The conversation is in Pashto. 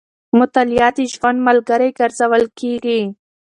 مطالعه د ژوند ملګری ګرځول کېږي.